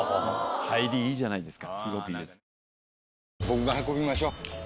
入りいいじゃないですか。